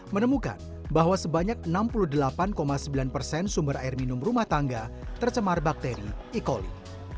menemukan bahwa sebanyak enam puluh delapan sembilan persen sumber air minum rumah tangga tercemar bakteri e coli